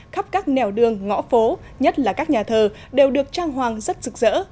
khắp các nẻo đường ngõ phố nhất là các nhà thờ đều được trang hoàng rất rực rỡ